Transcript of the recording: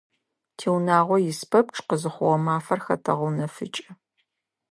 Тиунагъо ис пэпчъ къызыхъугъэ мафэр хэтэгъэунэфыкӀы.